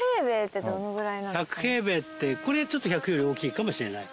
１００平米ってこれちょっと１００より大きいかもしれない。